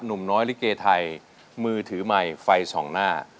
หนุ่มน้อยลิเกไทยมือถือไมค์ไฟส่องหน้า